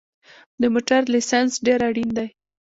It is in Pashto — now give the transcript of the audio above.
د موټر لېسنس ډېر اړین دی